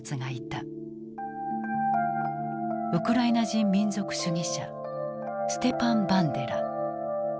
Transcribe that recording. ウクライナ人民族主義者ステパン・バンデラ。